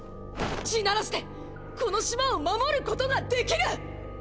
「地鳴らし」でこの島を守ることができる！